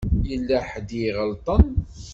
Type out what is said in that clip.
Yella ḥedd i iɣelṭen.